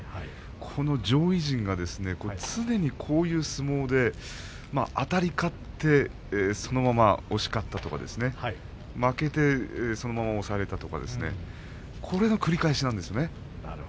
この上位陣が常にこういう相撲であたり勝ってそのまま押し勝ったとか負けてそのまま押されたとかこれの繰り返しなんですよね。